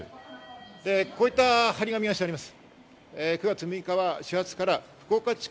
こういった張り紙がしてあります。